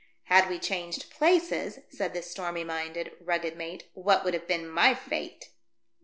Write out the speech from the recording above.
"Had we changed places," said the stormy minded, rugged mate, " what would have been my fate